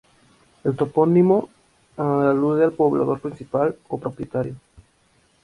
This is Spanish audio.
El topónimo alude al poblador principal o propietario.